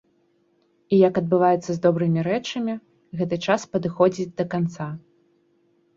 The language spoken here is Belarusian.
І як адбываецца з добрымі рэчамі, гэты час падыходзіць да канца.